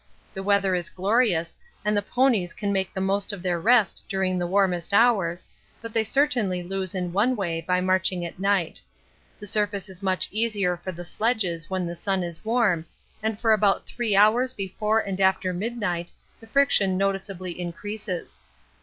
The weather is glorious and the ponies can make the most of their rest during the warmest hours, but they certainly lose in one way by marching at night. The surface is much easier for the sledges when the sun is warm, and for about three hours before and after midnight the friction noticeably increases.